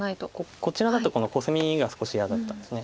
こちらだとこのコスミが少し嫌だったんです。